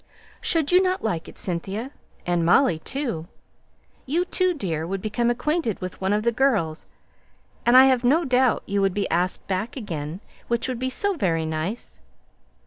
"Should not you like it, Cynthia? and Molly too? You then, dear, would become acquainted with one of the girls, and I have no doubt you would be asked back again, which would be so very nice!"